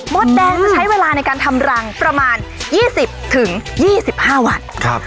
มดแดงจะใช้เวลาในการทำรังประมาณยี่สิบถึงยี่สิบห้าวันครับ